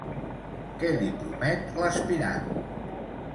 Què li promet l'aspirant?